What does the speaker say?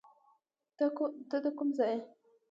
ته د کوم ځای یې؟